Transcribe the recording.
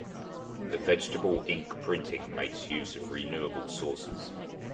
The vegetable ink printing makes use of renewable sources.